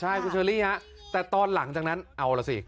ใช่คุณเชอรี่ฮะแต่ตอนหลังจากนั้นเอาล่ะสิ